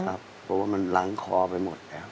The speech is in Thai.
เพราะว่ามันล้างคอไปหมดแล้ว